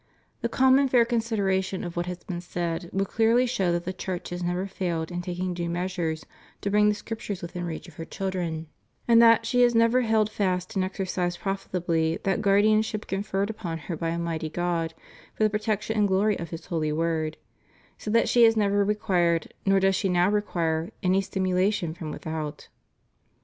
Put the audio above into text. The calm and fair consideration of what has been said will clearly show that the Church has never failed in taking due measures to bring the Scriptures within reach of her children, and that she has ever held fast and exercised profitably that guardianship conferred upon her by Almighty God for the protection and glory of His Holy Word; so that she has never required, nor does she now require, any stimulation from without.